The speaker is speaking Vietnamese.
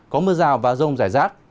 có mưa rào và rông rải rác